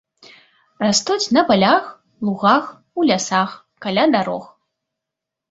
Растуць на палях, лугах, у лясах, каля дарог.